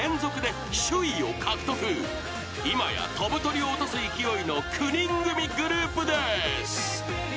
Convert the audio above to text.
［今や飛ぶ鳥を落とす勢いの９人組グループです］